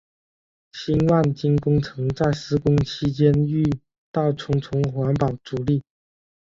新万金工程在施工期间遇到重重环保阻力。